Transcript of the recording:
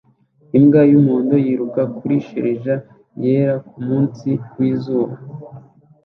Imbwa y'umuhondo yiruka kuri shelegi yera kumunsi wizuba